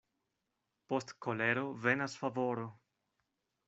Post kolero venas favoro.